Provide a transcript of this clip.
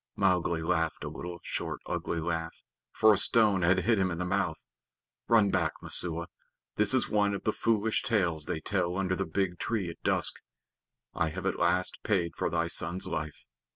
Mowgli laughed a little short ugly laugh, for a stone had hit him in the mouth. "Run back, Messua. This is one of the foolish tales they tell under the big tree at dusk. I have at least paid for thy son's life.